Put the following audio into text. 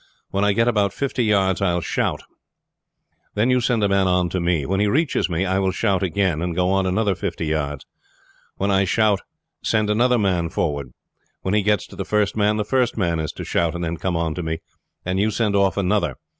When I get about fifty yards I will shout. Then you send a man on to me. When he reaches me I will shout again and go on another fifty yards. When I shout send another man forward. When he gets to the first man the first man is to shout and then come on to me, and you send off another.